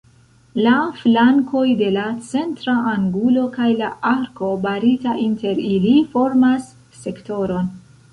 La flankoj de la centra angulo kaj la arko barita inter ili formas sektoron.